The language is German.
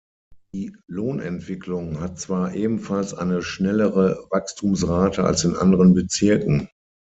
Die Lohnentwicklung hat zwar ebenfalls eine schnellere Wachstumsrate als in anderen Bezirken.